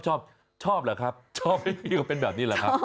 ชอบเหรอครับชอบให้พี่ก็เป็นแบบนี้เหรอครับ